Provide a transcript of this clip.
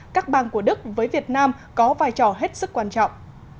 các bang của đức với việt nam có vai trò hết sức quan trọng